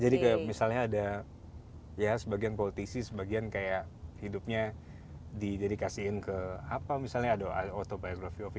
jadi misalnya ada ya sebagian politisi sebagian kayak hidupnya didedikasiin ke apa misalnya ada autobiografi